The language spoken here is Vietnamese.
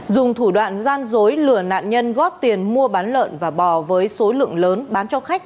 dùng thủ đoạn gian dối lừa nạn nhân góp tiền mua bán lợn và bò với số lượng lớn bán cho khách